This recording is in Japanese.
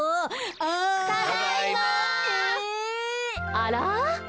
あら？